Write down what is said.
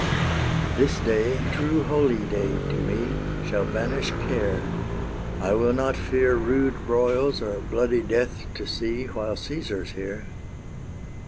This day, true holyday to me, Shall banish care: I will not fear Rude broils or bloody death to see, While Caesar's here.